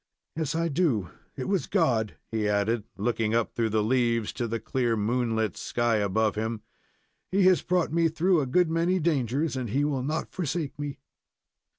Yes, I do; it was God!" he added, looking up through the leaves to the clear, moonlit sky above him. "He has brought me through a good many dangers, and He will not forsake me."